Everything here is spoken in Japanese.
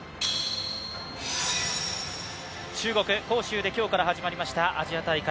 中国・杭州で今日から始まりましたアジア大会。